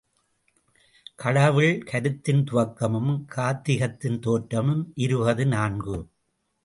கடவுள் கருத்தின் துவக்கமும் காத்திகத்தின் தோற்றமும் இருபது நான்கு.